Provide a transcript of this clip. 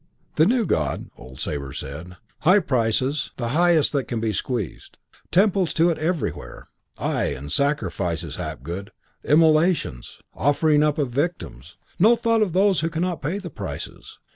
"'The new God,' old Sabre said. 'High prices, high prices: the highest that can be squeezed. Temples to it everywhere. Ay, and sacrifices, Hapgood. Immolations. Offering up of victims. No thought of those who cannot pay the prices.